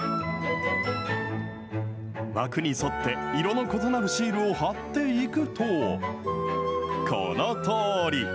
枠に沿って、色の異なるシールを貼っていくと、このとおり。